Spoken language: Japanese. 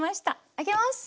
開けます。